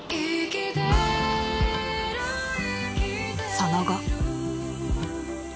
［その後］